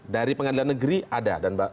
dari pengadilan negeri ada